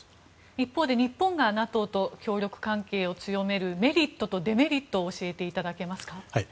一方で日本がＮＡＴＯと協力関係を強めるメリットとデメリットを教えていただけますか？